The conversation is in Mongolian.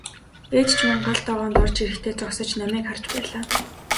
Ээж ч мөн гал тогоонд орж ирэхдээ зогсож намайг харж байлаа.